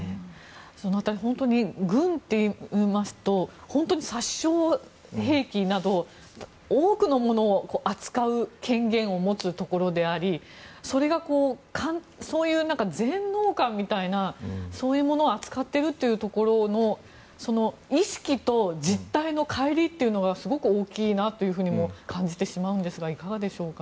本当に軍といいますと殺傷兵器など多くのものを扱う権限を持つところでありそれが全能感みたいなそういうものを扱っているというところの意識と実態の乖離というのがすごく大きいなというふうにも感じてしまうんですがいかがでしょうか。